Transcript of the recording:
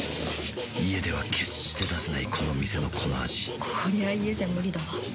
家では決して出せないこの店のこの味こりゃ家じゃムリだわ。